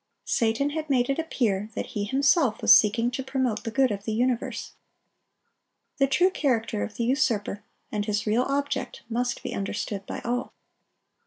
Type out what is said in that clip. Satan had made it appear that he himself was seeking to promote the good of the universe. The true character of the usurper, and his real object, must be understood by all.